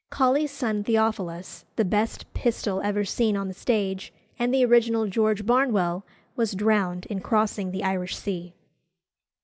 Colley's son Theophilus, the best Pistol ever seen on the stage, and the original George Barnwell, was drowned in crossing the Irish Sea.